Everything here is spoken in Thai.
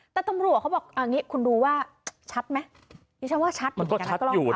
แต่ตำรวจเขาบอกอ่างี้คุณรู้ว่าชัดไหมไม่ใช่ว่าชัดมันก็ชัดอยู่น่ะ